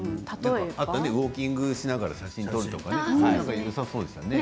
ウォーキングをしながら写真を撮るとかよさそうでしたね。